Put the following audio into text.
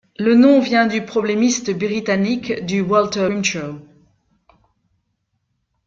Le nom vient du problémiste britannique du Walter Grimshaw.